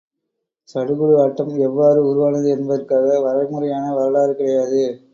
சடுகுடு ஆட்டம் எவ்வாறு உருவானது என்பதற்காக வரைமுறையான வரலாறு கிடையாது.